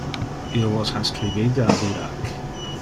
Io vos ha scribite ab Irak.